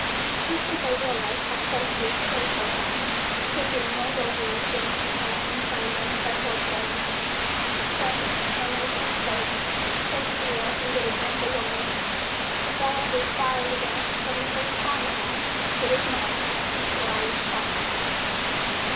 Just as they realized how close an escape they had, Slippery keeled over against Boston Frank and said hoarsely: "Frank, for mercy's sake take me where I can get a drink of water. The fellow who fired at us from the first farm house hit his mark, for I am shot."